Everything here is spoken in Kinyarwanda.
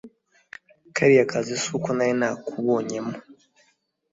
kariya kazi suko nari nakubonyemo